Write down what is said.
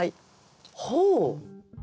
ほう？